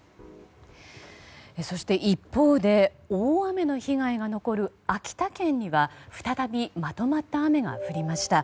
そして一方で大雨の被害が残る秋田県には再びまとまった雨が降りました。